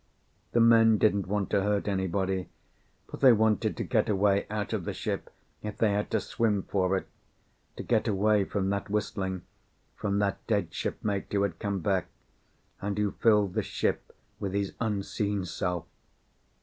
The men didn't want to hurt anybody; but they wanted to get away out of that ship, if they had to swim for it; to get away from that whistling, from that dead shipmate who had come back, and who filled the ship with his unseen self!